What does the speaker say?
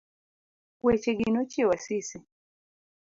Wechegi nochiewo Asisi.